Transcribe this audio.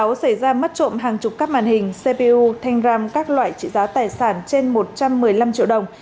pháo xảy ra mất trộm hàng chục các màn hình cpu thanh răm các loại trị giá tài sản trên một trăm một mươi năm triệu đồng